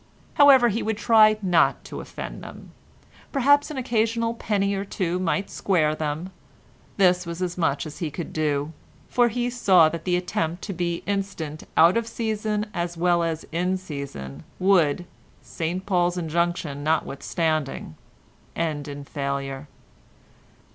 However, he would try not to offend them; perhaps an occasional penny or two might square them. This was as much as he could do, for he saw that the attempt to be instant out of season, as well as in season, would, St Paul's injunction notwithstanding, end in failure.